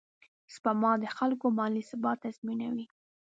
سپما د خلکو مالي ثبات تضمینوي.